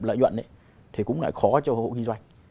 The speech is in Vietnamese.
lợi nhuận thì cũng lại khó cho hộ kinh doanh